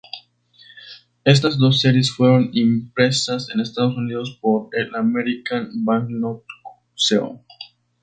Estas dos series fueron impresas en Estados Unidos por la American Bank Note Co.